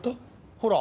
ほら。